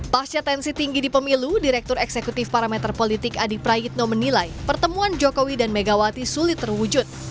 pasca tensi tinggi di pemilu direktur eksekutif parameter politik adi prayitno menilai pertemuan jokowi dan megawati sulit terwujud